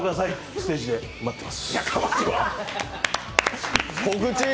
ステージで待ってます。